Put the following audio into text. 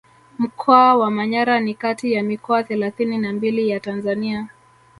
Mkoa wa Manyara ni kati ya mikoa thelathini na mbili ya Tanzania